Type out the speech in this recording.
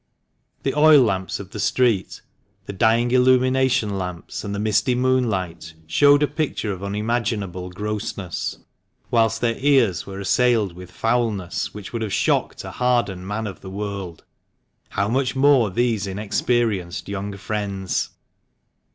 The oil lamps of the street, the dying illumination lamps, and the misty moonlight showed a picture of unimaginable grossness ; whilst their ears were assailed with foulness which would have shocked a hardened man of the world — how much more these inexperienced young friends